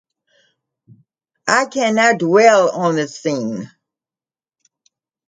I cannot dwell on the scene.